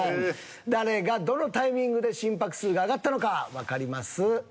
誰がどのタイミングで心拍数が上がったのかわかります。